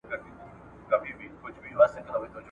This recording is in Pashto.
فرنګ په خپلو وینو کي رنګ وو `